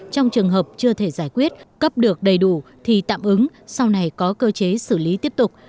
trong trường hợp chưa thể giải quyết cấp được đầy đủ thì tạm ứng sau này có cơ chế xử lý tiếp tục